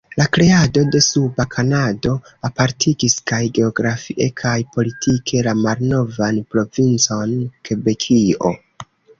La kreado de Suba Kanado apartigis kaj geografie kaj politike la malnovan provincon Kebekio.